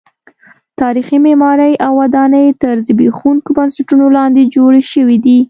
تاریخي معمارۍ او ودانۍ تر زبېښونکو بنسټونو لاندې جوړې شوې دي.